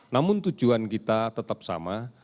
namun tujuan kita tetap sama